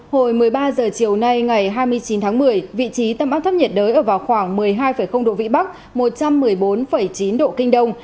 hồi một mươi ba h chiều nay ngày hai mươi chín tháng một mươi vị trí tâm áp thấp nhiệt đới ở vào khoảng một mươi hai độ vĩ bắc một trăm một mươi bốn chín độ kinh đông